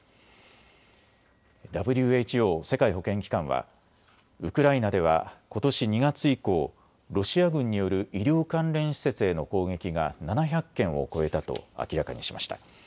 ＷＨＯ・世界保健機関はウクライナではことし２月以降、ロシア軍による医療関連施設への攻撃が７００件を超えたと明らかにしました。